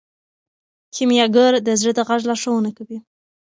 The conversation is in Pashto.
کیمیاګر د زړه د غږ لارښوونه کوي.